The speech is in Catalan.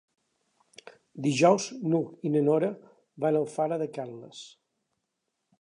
Dijous n'Hug i na Nora van a Alfara de Carles.